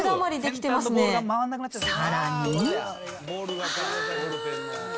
さらに。